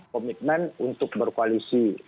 komitmen untuk berkoalisi